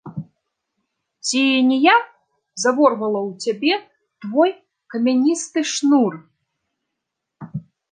Ці не я заворвала ў цябе твой камяністы шнур?